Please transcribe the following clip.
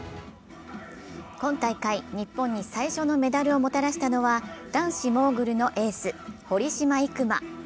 今大会、日本に最初のメダルをもたらしたのは男子モーグルのエース、堀島行真。